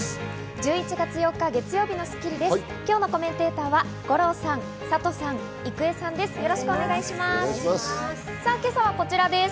１１月８日、月曜日の『スッキリ』です。